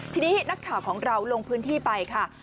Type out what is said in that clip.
ทีนี้นักข่าวของเราลงพื้นที่ไปค่ะ